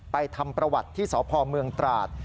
ทำประวัติที่สพเมืองตราด